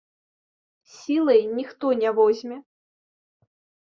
Сілай ніхто не возьме.